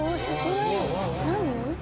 何？